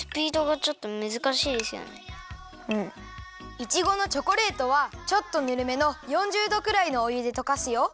イチゴのチョコレートはちょっとぬるめの４０どくらいのおゆでとかすよ。